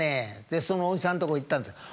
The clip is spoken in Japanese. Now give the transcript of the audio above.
でそのおじさんとこ行ったんですよ。